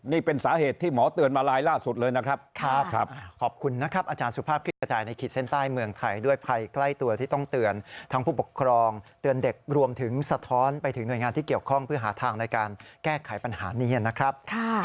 นี่เป็นสาเหตุที่หมอเตือนมาลัยล่าสุดเลยนะครับครับขอบคุณนะครับ